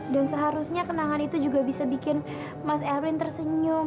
dan seharusnya kenangan itu juga bisa bikin mas erwin tersenyum